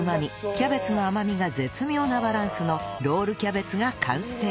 キャベツの甘みが絶妙なバランスのロールキャベツが完成